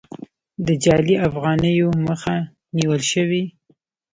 د جعلي افغانیو مخه نیول شوې؟